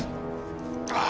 ああ。